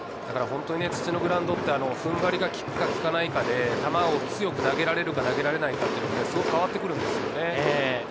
土のグラウンドって踏ん張りがきくかきかないかで球を強く投げられるか投げられないかっていうところがすごく変わってくるんですよね。